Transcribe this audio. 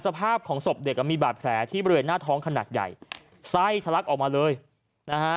สภาพของศพเด็กอ่ะมีบาดแผลที่บริเวณหน้าท้องขนาดใหญ่ไส้ทะลักออกมาเลยนะฮะ